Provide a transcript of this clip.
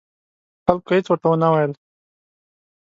خلکو هېڅ ورته ونه ویل.